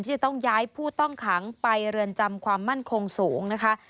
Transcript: จะต้องย้ายผู้ต้องขังไปเรือนจำความมั่นคงสูงนะคะ